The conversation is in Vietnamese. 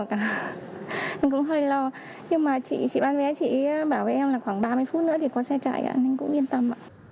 em cũng hơi lo nhưng mà chị bán vé chị bảo em là khoảng ba mươi phút nữa thì có xe chạy em cũng yên tâm